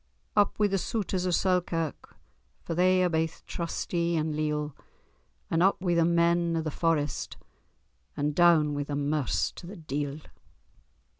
Up wi' the Souters of Selkirk, For they are baith trusty and leal; And up wi' the men o' the Forest, And doun wi' the Merse to the deil.